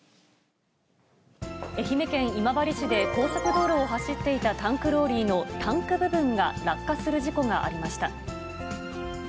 愛媛県今治市で高速道路を走っていたタンクローリーのタンク部分が落下する事故がありました。